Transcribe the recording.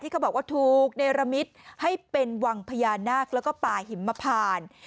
เขาบอกว่าถูกเนรมิตให้เป็นวังพญานาคแล้วก็ป่าหิมพาน